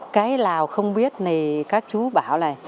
cái nào không biết này các chú bảo này